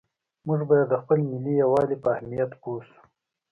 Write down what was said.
موږ باید د خپل ملي یووالي په اهمیت پوه شو.